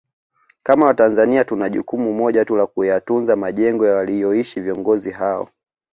Kama Watanzania tuna jukumu moja tu la Kuyatunza majengo waliyoishi viongozi hao